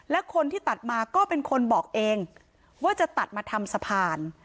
และคนที่ตัดมาก็เป็นคนบอกเองว่าจะตัดมาทำสะพาน